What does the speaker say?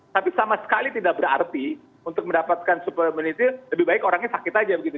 tapi sama sekali tidak berarti untuk mendapatkan super immunity lebih baik orangnya sakit aja begitu